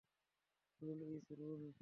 Rule is, rule.